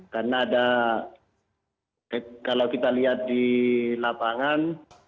karena ada kalau kita lihat di lapangan